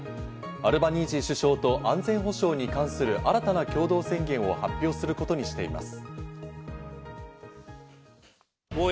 アルバニージー首相と安全保障に関する新たな共同宣言を発表することにしています。